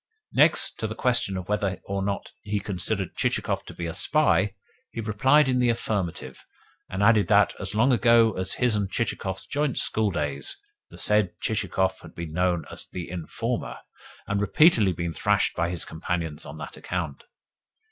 Next, to the question of whether or not he considered Chichikov to be a spy, he replied in the affirmative, and added that, as long ago as his and Chichikov's joint schooldays, the said Chichikov had been known as "The Informer," and repeatedly been thrashed by his companions on that account.